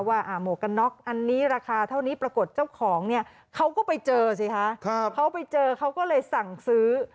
หมวกกันน็อกอันนี้ราคาเท่านี้ปรากฏเจ้าของเนี่ยเขาก็ไปเจอสิคะเขาไปเจอเขาก็เลยสั่งซื้อ